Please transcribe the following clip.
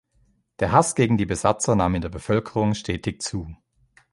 Der Hass gegen die Besatzer nahm in der Bevölkerung stetig zu.